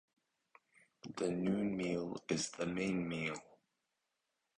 The noon meal is the main meal.